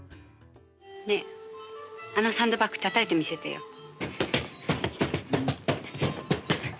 ねえ、あのサンドバッグたたいてみせてよ。